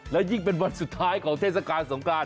และยิ่งเป็นวันสุดท้ายของเทศกาลสงกราน